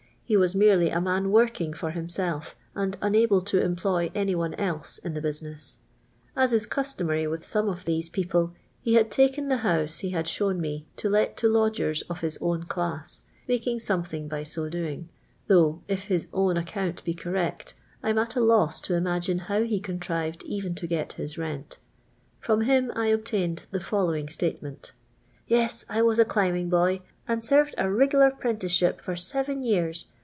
He was merely a man working for himself, and unable to employ any one else in the biifinci^s; as is customary with some of these people, he had talien tlie liouso be bad shows me to let to lodgers of his own class, making something by so doing ; though, if his own ac count be correct, I 'ni at a loss to imagine how he contrived e>en to get his rent. From him I obUiined the following statement :—*' Yes, I was a climbing boy, and sarred a rigler ])rinticeship for seven years.